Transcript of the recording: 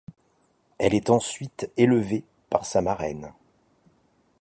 Elle est ensuite élevée par sa marraine.